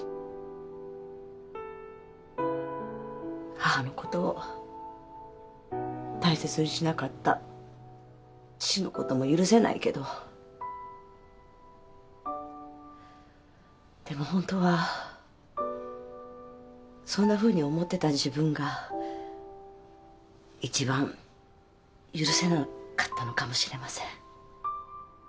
母のことを大切にしなかった父のことも許せないけどでもホントはそんなふうに思ってた自分が一番許せなかったのかもしれません。